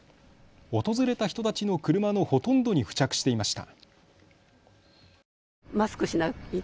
訪れた人たちの車のほとんどに付着していました。